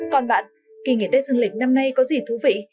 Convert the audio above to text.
còn bạn kỳ nghỉ tết dương lịch năm nay có gì thú vị